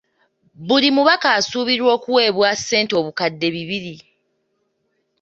Buli mubaka asuubirwa okuweebwa ssente obukadde bibiri.